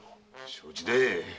承知で。